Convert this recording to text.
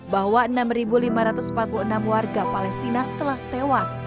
bahwa enam lima ratus empat puluh enam warga palestina telah tewas